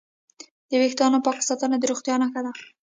د وېښتانو پاک ساتنه د روغتیا نښه ده.